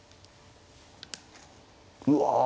うわ。